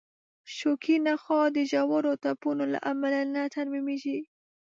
شوکي نخاع د ژورو ټپونو له امله نه ترمیمېږي.